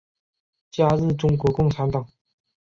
加入中国共产党。